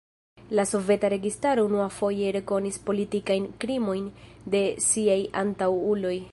La soveta registaro unuafoje rekonis politikajn krimojn de siaj antaŭuloj.